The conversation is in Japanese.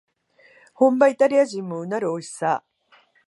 本場イタリア人もうなるおいしさ